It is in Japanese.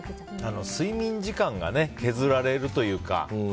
睡眠時間が削られるというか。